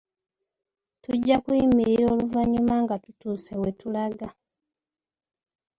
Tujja kuyimirira oluvannyuma nga tutuuse we tulaga.